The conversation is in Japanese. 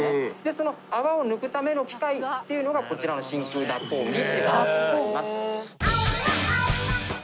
その泡を抜くための機械っていうのがこちらの真空脱泡機っていう形になります。